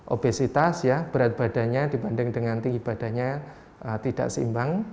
obesitas ya berat badannya dibanding dengan tinggi badannya tidak seimbang